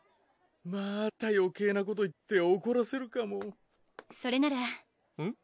またよけいなこと言っておこらせるかもそれならうん？